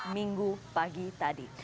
minggu pagi tadi